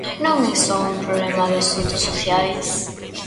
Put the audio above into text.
Non é só un problema de asuntos sociais.